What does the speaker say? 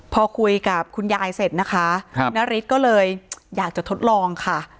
พอคุยกับคุณยายเสร็จนะคะนาริสก็เลยอยากจะทดลองค่ะ